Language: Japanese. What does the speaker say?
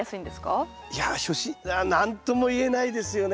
いや初心何とも言えないですよね。